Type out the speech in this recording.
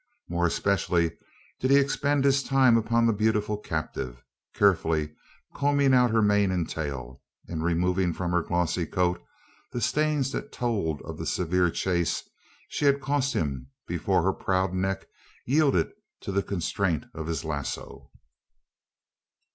More especially did he expend his time upon the beautiful captive carefully combing out her mane and tail, and removing from her glossy coat the stains that told of the severe chase she had cost him before her proud neck yielded to the constraint of his lazo.